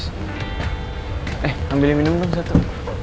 eh ambilin minum dong satu